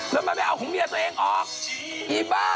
แล้วมันไม่เอาของเมียตัวเองออกอีบ้า